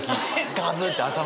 ガブって頭から。